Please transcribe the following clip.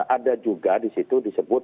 ada juga disitu disebut